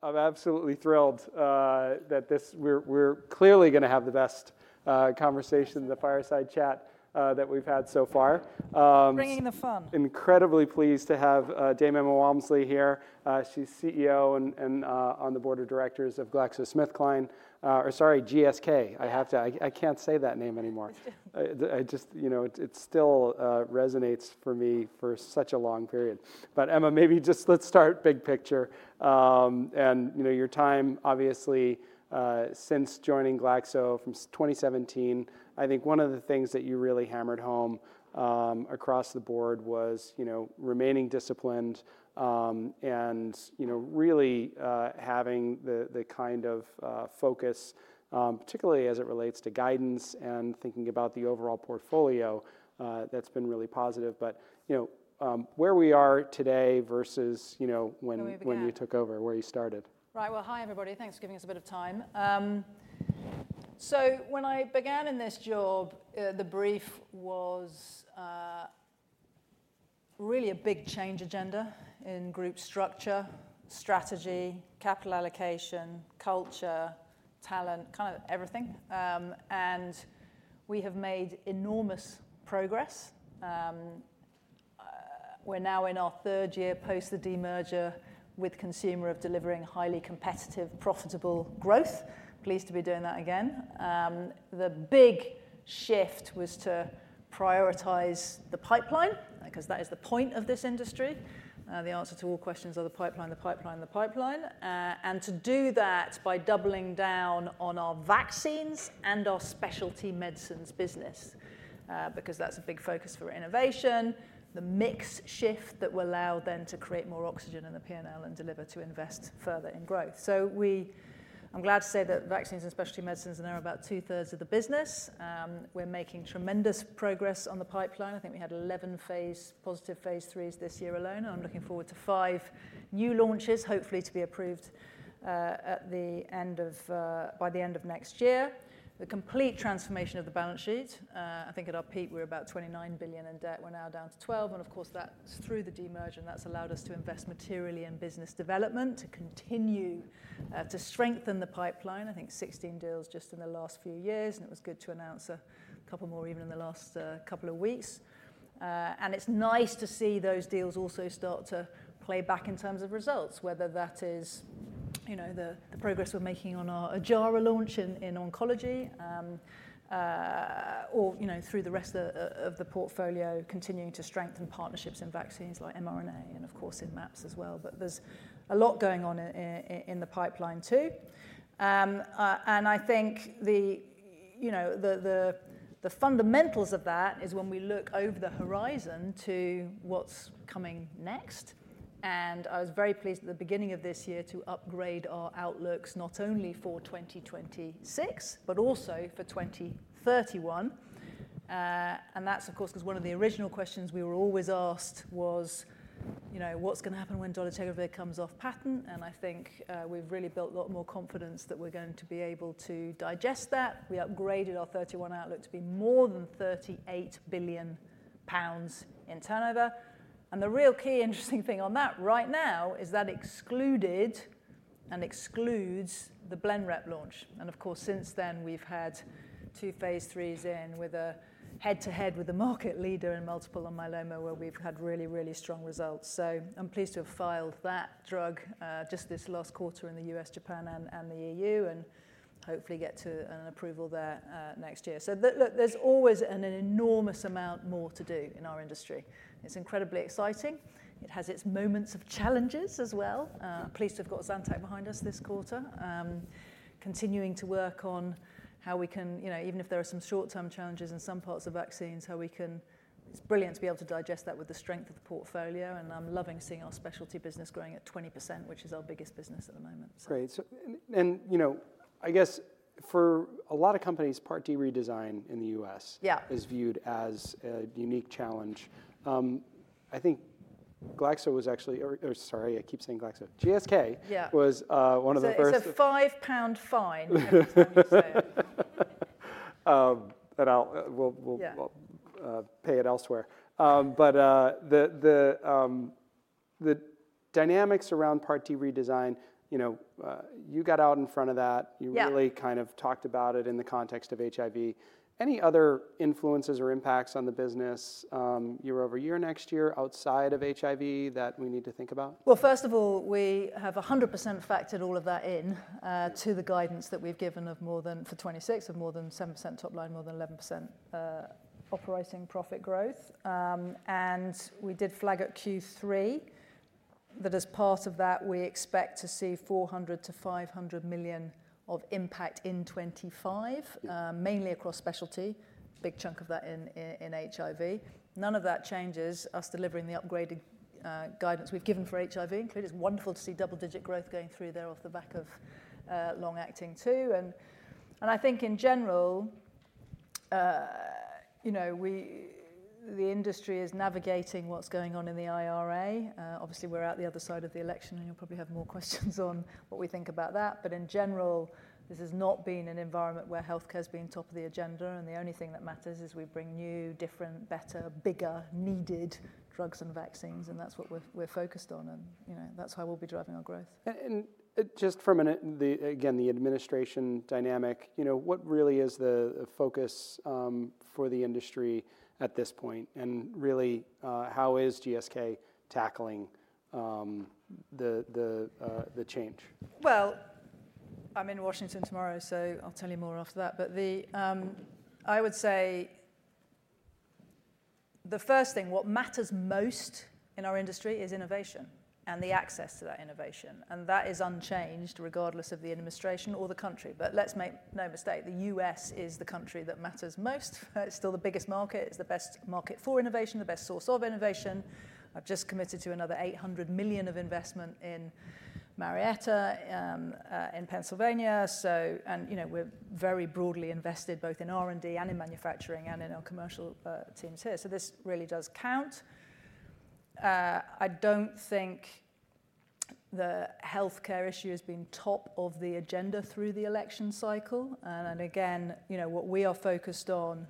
I'm absolutely thrilled that we're clearly going to have the best conversation, the fireside chat that we've had so far. Bringing the fun. Incredibly pleased to have Dame Emma Walmsley here. She's CEO and on the board of directors of GlaxoSmithKline. Or sorry, GSK. I have to. I can't say that name anymore. I just, you know, it still resonates for me for such a long period. But Emma, maybe just let's start big picture. And your time, obviously, since joining Glaxo from 2017, I think one of the things that you really hammered home across the board was, you know, remaining disciplined and, you know, really having the kind of focus, particularly as it relates to guidance and thinking about the overall portfolio. That's been really positive. But, you know, where we are today versus, you know, when you took over, where you started. Right. Well, hi everybody. Thanks for giving us a bit of time, so when I began in this job, the brief was really a big change agenda in group structure, strategy, capital allocation, culture, talent, kind of everything, and we have made enormous progress. We're now in our third year post the demerger with Consumer of delivering highly competitive, profitable growth, pleased to be doing that again. The big shift was to prioritize the pipeline, because that is the point of this industry. The answer to all questions are the pipeline, the pipeline, the pipeline, and to do that by doubling down on our vaccines and our specialty medicines business, because that's a big focus for innovation, the mix shift that will allow them to create more oxygen in the P&L and deliver, to invest further in growth. I'm glad to say that vaccines and specialty medicines are now about two-thirds of the business. We're making tremendous progress on the pipeline. I think we had 11 phase 3 positive phase 3s this year alone. I'm looking forward to five new launches, hopefully to be approved by the end of next year. The complete transformation of the balance sheet. I think at our peak we were about $29 billion in debt. We're now down to $12 billion. And of course, that's through the demerger. And that's allowed us to invest materially in business development to continue to strengthen the pipeline. I think 16 deals just in the last few years. And it was good to announce a couple more even in the last couple of weeks. And it's nice to see those deals also start to play back in terms of results, whether that is, you know, the progress we're making on our Ojjaara launch in oncology or, you know, through the rest of the portfolio, continuing to strengthen partnerships in vaccines like mRNA and, of course, in MAPS as well. But there's a lot going on in the pipeline too. And I think the, you know, the fundamentals of that is when we look over the horizon to what's coming next. And I was very pleased at the beginning of this year to upgrade our outlooks not only for 2026, but also for 2031. And that's, of course, because one of the original questions we were always asked was, you know, what's going to happen when dolutegravir comes off patent? I think we've really built a lot more confidence that we're going to be able to digest that. We upgraded our 2031 outlook to be more than 38 billion pounds in turnover. The real key interesting thing on that right now is that it excludes the Blenrep launch. Of course, since then we've had two phase 3s in with a head-to-head with the market leader in multiple myeloma, where we've had really, really strong results. I'm pleased to have filed that drug just this last quarter in the U.S., Japan, and the EU and hopefully get to an approval there next year. Look, there's always an enormous amount more to do in our industry. It's incredibly exciting. It has its moments of challenges as well. I'm pleased to have got Zantac behind us this quarter, continuing to work on how we can, you know, even if there are some short-term challenges in some parts of vaccines, how we can. It's brilliant to be able to digest that with the strength of the portfolio, and I'm loving seeing our specialty business growing at 20%, which is our biggest business at the moment. Great. And, you know, I guess for a lot of companies, Part D redesign in the U.S. is viewed as a unique challenge. I think Glaxo was actually, or sorry, I keep saying Glaxo, GSK was one of the first. It's a £5 fine. And we'll pay it elsewhere. But the dynamics around Part D redesign, you know, you got out in front of that. You really kind of talked about it in the context of HIV. Any other influences or impacts on the business year over year next year outside of HIV that we need to think about? First of all, we have 100% factored all of that in to the guidance that we've given of more than for 2026 of more than 7% top line, more than 11% operating profit growth. And we did flag at Q3 that as part of that, we expect to see 400 million to 500 million of impact in 2025, mainly across specialty, big chunk of that in HIV. None of that changes us delivering the upgraded guidance we've given for HIV, including it's wonderful to see double-digit growth going through there off the back of long-acting too. And I think in general, you know, the industry is navigating what's going on in the IRA. Obviously, we're out the other side of the election and you'll probably have more questions on what we think about that. But in general, this has not been an environment where healthcare has been top of the agenda. And the only thing that matters is we bring new, different, better, bigger, needed drugs and vaccines. And that's what we're focused on. And, you know, that's how we'll be driving our growth. And just for a minute, again, the administration dynamic, you know, what really is the focus for the industry at this point? And really, how is GSK tackling the change? I'm in Washington, D.C. tomorrow, so I'll tell you more after that. I would say the first thing, what matters most in our industry is innovation and the access to that innovation. That is unchanged regardless of the administration or the country. Let's make no mistake, the U.S. is the country that matters most. It's still the biggest market. It's the best market for innovation, the best source of innovation. I've just committed to another $800 million of investment in Marietta, Pennsylvania. And you know, we're very broadly invested both in R&D and in manufacturing and in our commercial teams here. This really does count. I don't think the healthcare issue has been top of the agenda through the election cycle. Again, you know, what we are focused on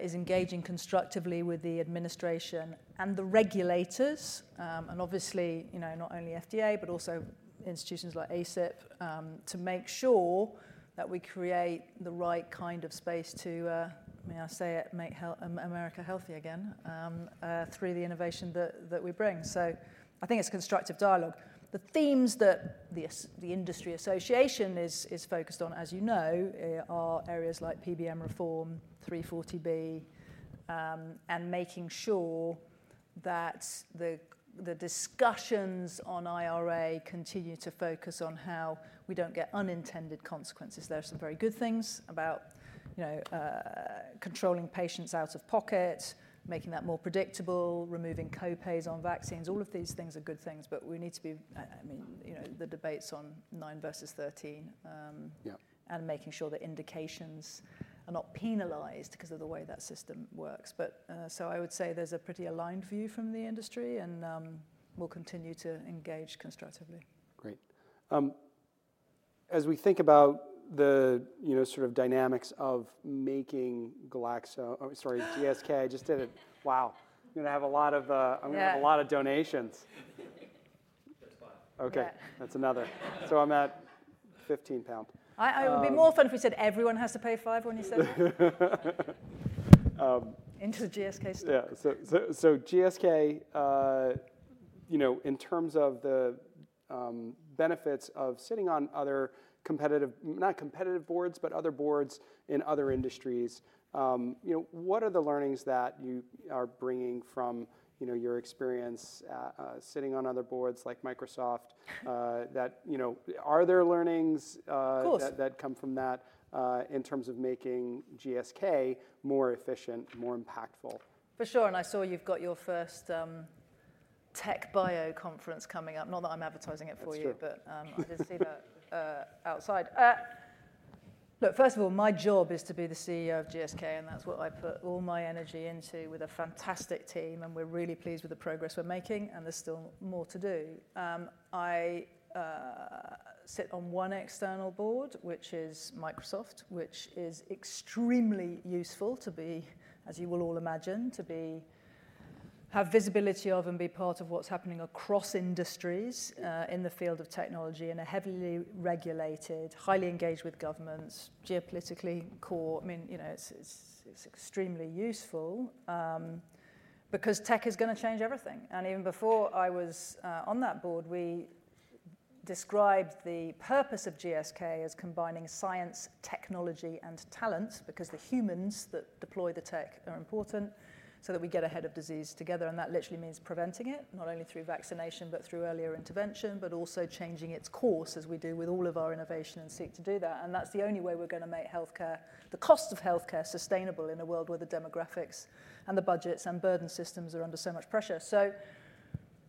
is engaging constructively with the administration and the regulators. And obviously, you know, not only FDA, but also institutions like ACIP to make sure that we create the right kind of space to, may I say it, make America healthy again through the innovation that we bring. So I think it's a constructive dialogue. The themes that the Industry Association is focused on, as you know, are areas like PBM reform, 340B, and making sure that the discussions on IRA continue to focus on how we don't get unintended consequences. There are some very good things about, you know, controlling patients out of pocket, making that more predictable, removing copays on vaccines. All of these things are good things, but we need to be, I mean, you know, the debates on nine versus 13 and making sure the indications are not penalized because of the way that system works. But so I would say there's a pretty aligned view from the industry and we'll continue to engage constructively. Great. As we think about the, you know, sort of dynamics of making Glaxo, sorry, GSK, I just did it. Wow. I'm going to have a lot of donations. That's five. Okay. That's another, so I'm at 15 pounds. It would be more fun if we said everyone has to pay five when you said that. Into the GSK stuff. Yeah. So GSK, you know, in terms of the benefits of sitting on other competitive, not competitive boards, but other boards in other industries, you know, what are the learnings that you are bringing from, you know, your experience sitting on other boards like Microsoft that, you know, are there learnings that come from that in terms of making GSK more efficient, more impactful? For sure. And I saw you've got your first TechBio conference coming up. Not that I'm advertising it for you, but I did see that outside. Look, first of all, my job is to be the CEO of GSK, and that's what I put all my energy into with a fantastic team. And we're really pleased with the progress we're making. And there's still more to do. I sit on one external board, which is Microsoft, which is extremely useful to be, as you will all imagine, to have visibility of and be part of what's happening across industries in the field of technology in a heavily regulated, highly engaged with governments, geopolitically core. I mean, you know, it's extremely useful because tech is going to change everything. And even before I was on that board, we described the purpose of GSK as combining science, technology, and talent because the humans that deploy the tech are important so that we get ahead of disease together. And that literally means preventing it, not only through vaccination, but through earlier intervention, but also changing its course as we do with all of our innovation and seek to do that. And that's the only way we're going to make healthcare, the cost of healthcare sustainable in a world where the demographics and the budgets and burden systems are under so much pressure. So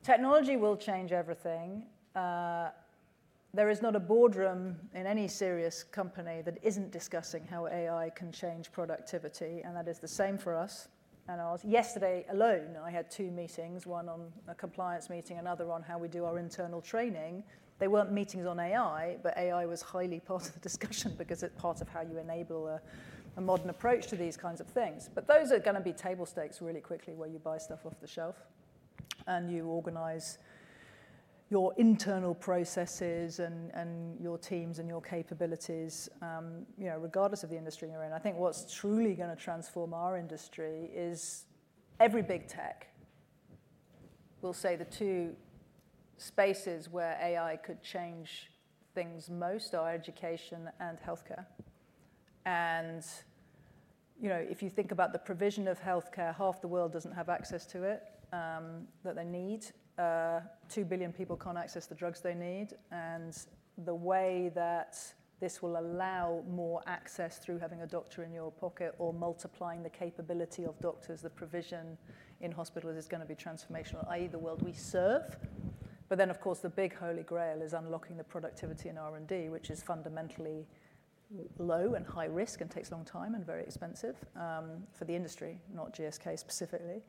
technology will change everything. There is not a boardroom in any serious company that isn't discussing how AI can change productivity. And that is the same for us. And yesterday alone, I had two meetings, one on a compliance meeting, another on how we do our internal training. They weren't meetings on AI, but AI was highly part of the discussion because it's part of how you enable a modern approach to these kinds of things, but those are going to be table stakes really quickly where you buy stuff off the shelf and you organize your internal processes and your teams and your capabilities, you know, regardless of the industry you're in. I think what's truly going to transform our industry is every big tech will say the two spaces where AI could change things most are education and healthcare, and, you know, if you think about the provision of healthcare, half the world doesn't have access to it that they need. Two billion people can't access the drugs they need. And the way that this will allow more access through having a doctor in your pocket or multiplying the capability of doctors, the provision in hospitals is going to be transformational, i.e., the world we serve. But then, of course, the big holy grail is unlocking the productivity in R&D, which is fundamentally low and high risk and takes a long time and very expensive for the industry, not GSK specifically.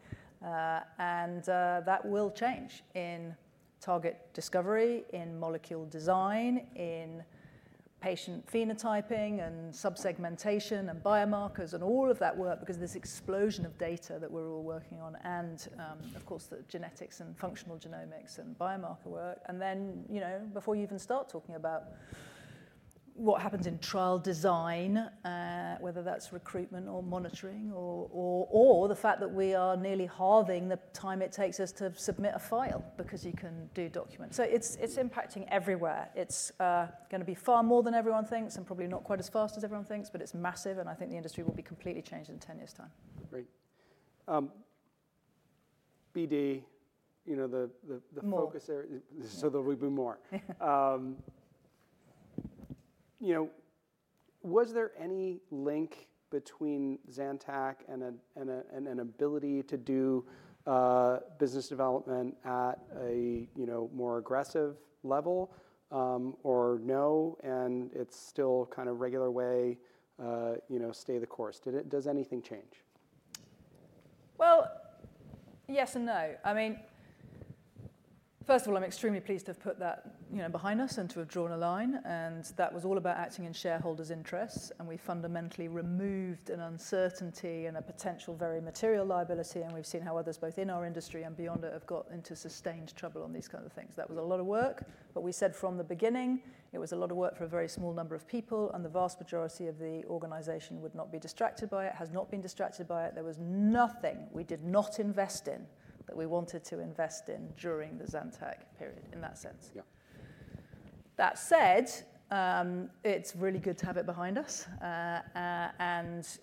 And that will change in target discovery, in molecule design, in patient phenotyping and subsegmentation and biomarkers and all of that work because of this explosion of data that we're all working on and, of course, the genetics and functional genomics and biomarker work. And then, you know, before you even start talking about what happens in trial design, whether that's recruitment or monitoring or the fact that we are nearly halving the time it takes us to submit a file because you can do documents. So it's impacting everywhere. It's going to be far more than everyone thinks and probably not quite as fast as everyone thinks, but it's massive. And I think the industry will be completely changed in 10 years' time. Great. BD, you know, the focus area, so there will be more. You know, was there any link between Zantac and an ability to do business development at a, you know, more aggressive level or no? And it's still kind of regular way, you know, stay the course. Does anything change? Yes and no. I mean, first of all, I'm extremely pleased to have put that, you know, behind us and to have drawn a line, and that was all about acting in shareholders' interests, and we fundamentally removed an uncertainty and a potential very material liability, and we've seen how others, both in our industry and beyond it, have got into sustained trouble on these kinds of things. That was a lot of work, but we said from the beginning it was a lot of work for a very small number of people and the vast majority of the organization would not be distracted by it, has not been distracted by it. There was nothing we did not invest in that we wanted to invest in during the Zantac period in that sense. That said, it's really good to have it behind us.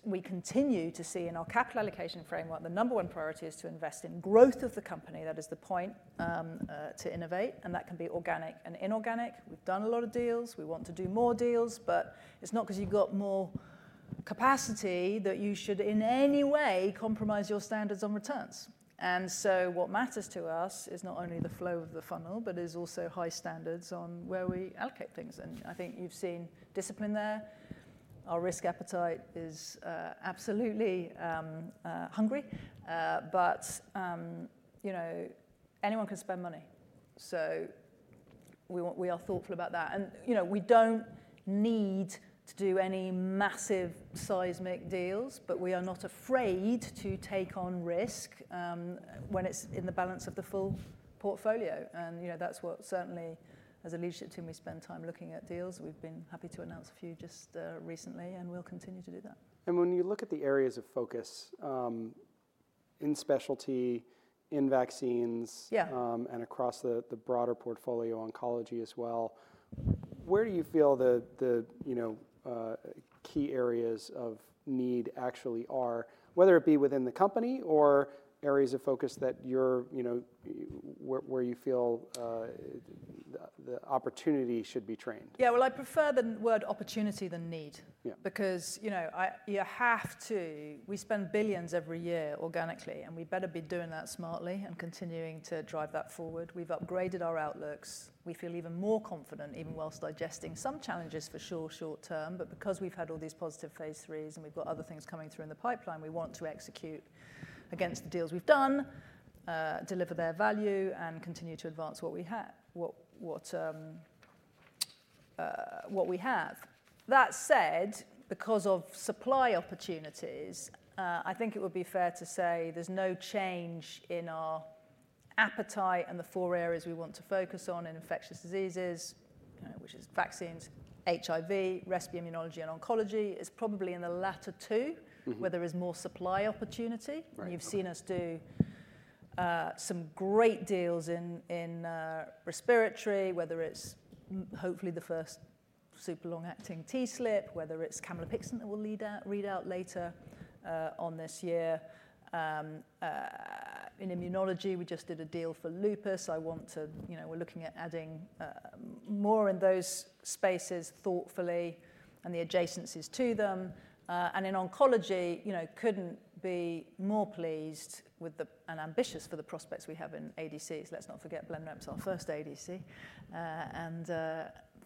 We continue to see in our capital allocation framework the number one priority is to invest in growth of the company. That is the point to innovate. That can be organic and inorganic. We've done a lot of deals. We want to do more deals, but it's not because you've got more capacity that you should in any way compromise your standards on returns. What matters to us is not only the flow of the funnel, but it is also high standards on where we allocate things. I think you've seen discipline there. Our risk appetite is absolutely hungry. You know, anyone can spend money. We are thoughtful about that. You know, we don't need to do any massive seismic deals, but we are not afraid to take on risk when it's in the balance of the full portfolio. You know, that's what certainly as a leadership team, we spend time looking at deals. We've been happy to announce a few just recently and we'll continue to do that. When you look at the areas of focus in specialty, in vaccines, and across the broader portfolio oncology as well, where do you feel the, you know, key areas of need actually are, whether it be within the company or areas of focus that you're, you know, where you feel the opportunity should be trained? Yeah, well, I prefer the word opportunity than need because, you know, you have to. We spend billions every year organically, and we better be doing that smartly and continuing to drive that forward. We've upgraded our outlooks. We feel even more confident, even while digesting some challenges for sure short term. But because we've had all these positive phase 3s and we've got other things coming through in the pipeline, we want to execute against the deals we've done, deliver their value, and continue to advance what we have. That said, because of supply opportunities, I think it would be fair to say there's no change in our appetite and the four areas we want to focus on in infectious diseases, which is vaccines, HIV, respiratory immunology, and oncology. It's probably in the latter two where there is more supply opportunity. You've seen us do some great deals in respiratory, whether it's hopefully the first super long acting TSLP, whether it's Camlipixant that we'll read out later on this year. In immunology, we just did a deal for lupus. I want to, you know, we're looking at adding more in those spaces thoughtfully and the adjacencies to them. And in oncology, you know, couldn't be more pleased with them and ambitious for the prospects we have in ADCs. Let's not forget Blenrep, our first ADC. And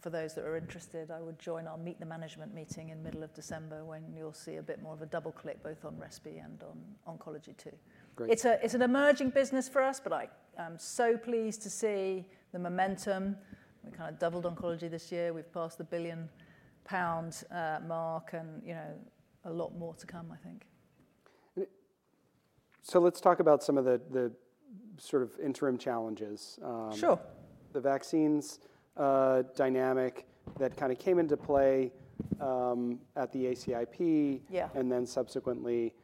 for those that are interested, I would join our meet the management meeting in the middle of December when you'll see a bit more of a double click both on respy and on oncology too. It's an emerging business for us, but I'm so pleased to see the momentum. We kind of doubled oncology this year. We've passed the 1 billion pound mark and, you know, a lot more to come, I think. So let's talk about some of the sort of interim challenges. Sure. The vaccines dynamic that kind of came into play at the ACIP and then subsequently,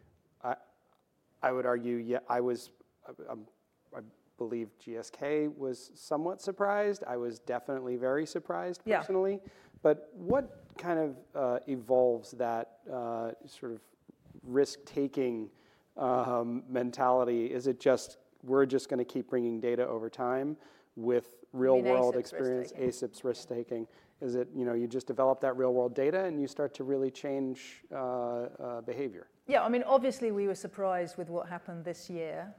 I would argue I was, I believe GSK was somewhat surprised. I was definitely very surprised personally. But what kind of evolves that sort of risk-taking mentality? Is it just we're just going to keep bringing data over time with real-world experience, ACIP's risk-taking? Is it, you know, you just develop that real-world data and you start to really change behavior? Yeah. I mean, obviously we were surprised with what happened this year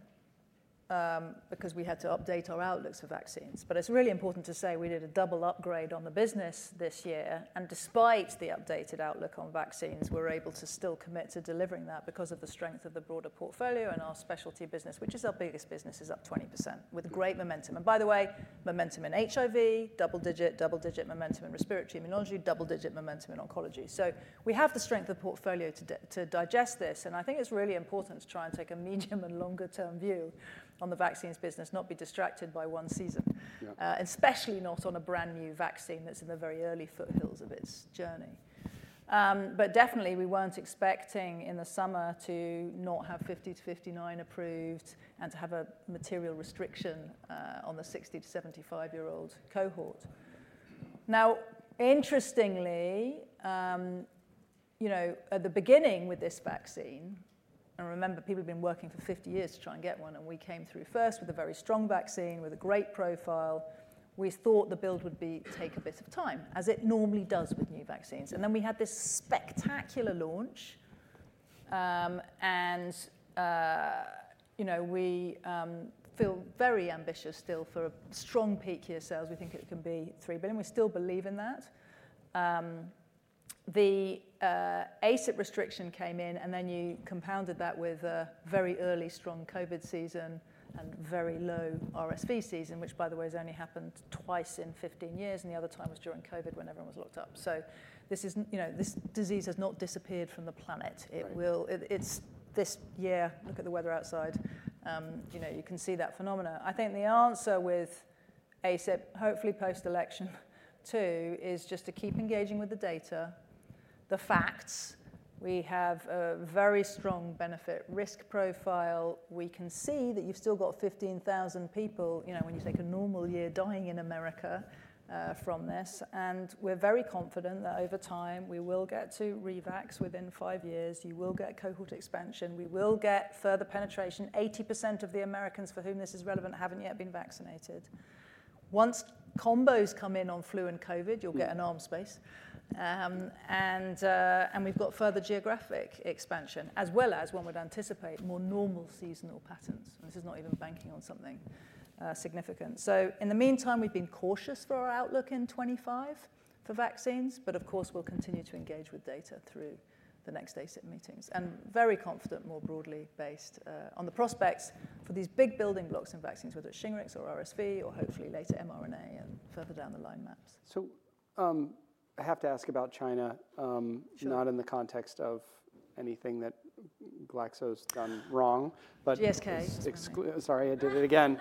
because we had to update our outlooks for vaccines. But it's really important to say we did a double upgrade on the business this year. And despite the updated outlook on vaccines, we're able to still commit to delivering that because of the strength of the broader portfolio and our specialty business, which is our biggest business, is up 20% with great momentum. And by the way, momentum in HIV, double digit, double digit momentum in respiratory immunology, double digit momentum in oncology. So we have the strength of the portfolio to digest this. And I think it's really important to try and take a medium and longer term view on the vaccines business, not be distracted by one season, especially not on a brand new vaccine that's in the very early foothills of its journey. But definitely we weren't expecting in the summer to not have 50 to 59 approved and to have a material restriction on the 60 to 75-year-old cohort. Now, interestingly, you know, at the beginning with this vaccine, and remember people have been working for 50 years to try and get one, and we came through first with a very strong vaccine with a great profile. We thought the build would take a bit of time as it normally does with new vaccines. And, you know, we feel very ambitious still for a strong peak here sales. We think it can be $3 billion. We still believe in that. The ACIP restriction came in and then you compounded that with a very early strong COVID season and very low RSV season, which by the way has only happened twice in 15 years. The other time was during COVID when everyone was locked up. This is, you know, this disease has not disappeared from the planet. It will, it's this year, look at the weather outside, you know, you can see that phenomenon. I think the answer with ACIP, hopefully post election too, is just to keep engaging with the data, the facts. We have a very strong benefit risk profile. We can see that you've still got 15,000 people, you know, when you take a normal year dying in America from this. We are very confident that over time we will get to revax within five years. You will get cohort expansion. We will get further penetration. 80% of the Americans for whom this is relevant have not yet been vaccinated. Once combos come in on flu and COVID, you will get an arms race. We've got further geographic expansion as well as one would anticipate more normal seasonal patterns. This is not even banking on something significant. In the meantime, we've been cautious for our outlook in 2025 for vaccines, but of course we'll continue to engage with data through the next ACIP meetings and very confident more broadly based on the prospects for these big building blocks in vaccines, whether it's Shingrix or RSV or hopefully later mRNA and further down the line MAPS. I have to ask about China, not in the context of anything that GSK's done wrong, but. GSK. Sorry, I did it again.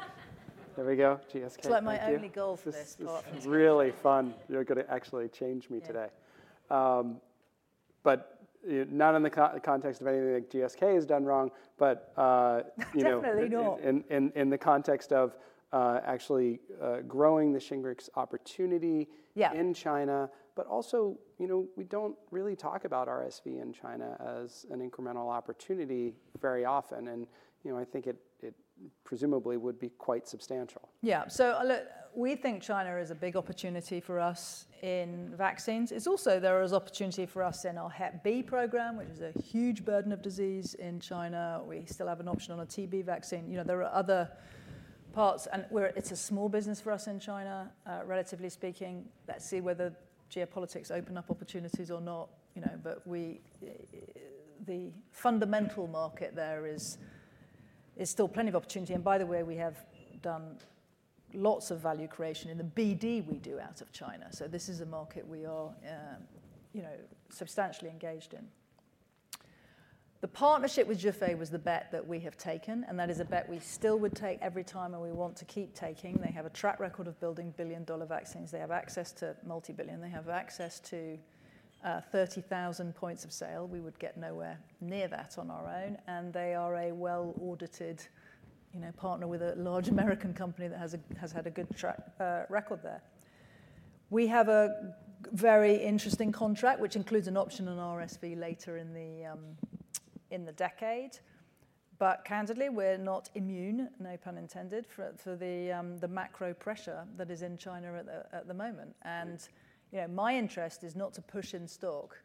There we go. GSK. It's like my only goal for this podcast. Really fun. You're going to actually change me today, but not in the context of anything that GSK has done wrong, but, you know. Definitely not. In the context of actually growing the Shingrix opportunity in China, but also, you know, we don't really talk about RSV in China as an incremental opportunity very often, and, you know, I think it presumably would be quite substantial. Yeah. So look, we think China is a big opportunity for us in vaccines. It's also there is opportunity for us in our Hep B program, which is a huge burden of disease in China. We still have an option on a TB vaccine. You know, there are other parts and where it's a small business for us in China, relatively speaking. Let's see whether geopolitics open up opportunities or not, you know, but we, the fundamental market there is still plenty of opportunity. And by the way, we have done lots of value creation in the BD we do out of China. So this is a market we are, you know, substantially engaged in. The partnership with Zhifei was the bet that we have taken, and that is a bet we still would take every time and we want to keep taking. They have a track record of building billion-dollar vaccines. They have access to multi-billion. They have access to 30,000 points of sale. We would get nowhere near that on our own. And they are a well-audited, you know, partner with a large American company that has had a good track record there. We have a very interesting contract, which includes an option on RSV later in the decade. But candidly, we're not immune, no pun intended, for the macro pressure that is in China at the moment. And, you know, my interest is not to push in stock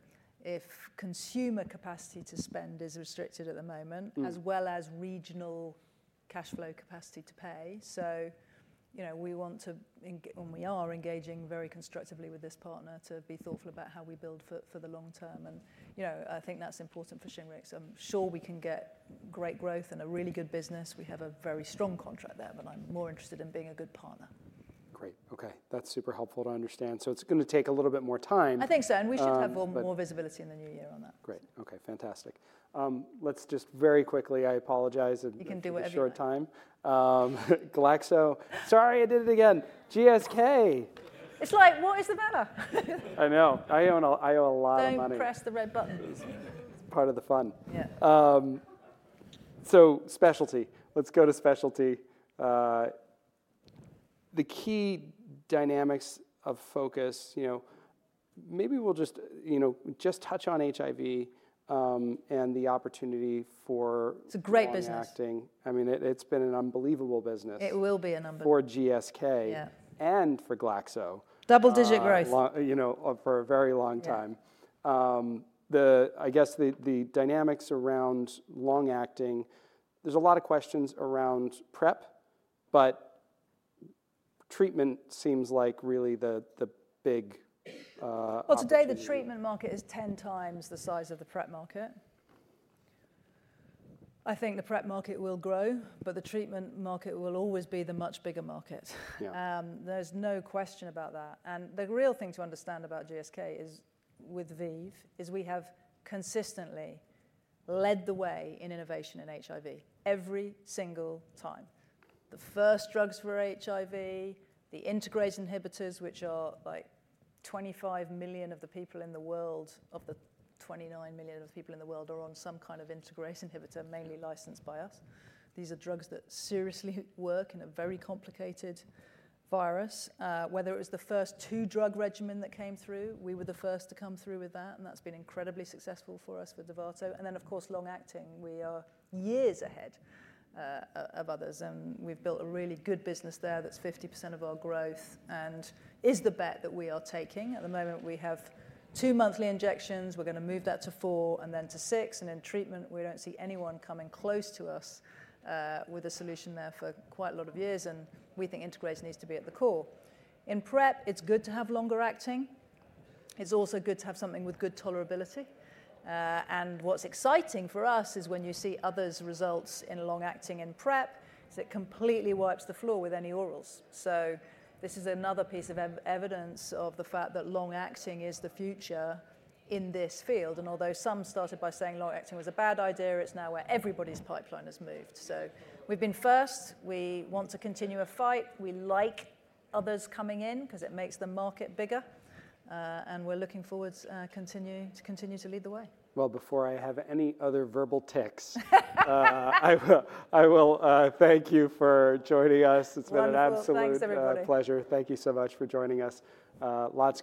if consumer capacity to spend is restricted at the moment, as well as regional cash flow capacity to pay. So, you know, we want to, and we are engaging very constructively with this partner to be thoughtful about how we build for the long term. You know, I think that's important for Shingrix. I'm sure we can get great growth and a really good business. We have a very strong contract there, but I'm more interested in being a good partner. Great. Okay. That's super helpful to understand. So it's going to take a little bit more time. I think so, and we should have more visibility in the new year on that. Great. Okay. Fantastic. Let's just very quickly, I apologize. You can do whatever. In the short time. Glaxo. Sorry, I did it again. GSK. It's like, what is the matter? I know. I owe a lot of money. Don't press the red button. It's part of the fun. So, specialty. Let's go to specialty. The key dynamics of focus, you know, maybe we'll just, you know, just touch on HIV and the opportunity for. It's a great business. Long acting. I mean, it's been an unbelievable business. It will be an unbelievable. For GSK and for Glaxo. Double-digit growth. You know, for a very long time. I guess the dynamics around long acting, there's a lot of questions around PrEP, but treatment seems like really the big. Today the treatment market is 10 times the size of the PrEP market. I think the PrEP market will grow, but the treatment market will always be the much bigger market. There's no question about that. The real thing to understand about GSK is with ViiV, is we have consistently led the way in innovation in HIV every single time. The first drugs for HIV, the integrase inhibitors, which are like 25 million of the people in the world, of the 29 million of the people in the world are on some kind of integrase inhibitor, mainly licensed by us. These are drugs that seriously work in a very complicated virus. Whether it was the first two drug regimen that came through, we were the first to come through with that. That's been incredibly successful for us with Dovato. And then, of course, long acting, we are years ahead of others. And we've built a really good business there that's 50% of our growth and is the bet that we are taking. At the moment, we have two monthly injections. We're going to move that to four and then to six. And in treatment, we don't see anyone coming close to us with a solution there for quite a lot of years. And we think integrase needs to be at the core. In PrEP, it's good to have longer acting. It's also good to have something with good tolerability. And what's exciting for us is when you see others' results in long acting in PrEP, it completely wipes the floor with any orals. So this is another piece of evidence of the fact that long acting is the future in this field. And although some started by saying long acting was a bad idea, it's now where everybody's pipeline has moved. So we've been first. We want to continue a fight. We like others coming in because it makes the market bigger. And we're looking forward to continue to lead the way. Before I have any other verbal tics, I will thank you for joining us. It's been an absolute pleasure. Thanks, everybody. Thank you so much for joining us. Lots.